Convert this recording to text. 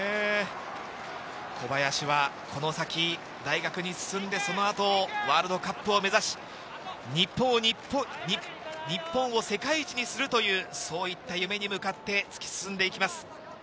小林はこの先、大学に進んで、その後ワールドカップを目指し、日本を世界一にするという、そういった夢に向かって突き進んでいきます。